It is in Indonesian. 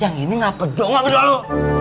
yang ini ngapa dong abu abu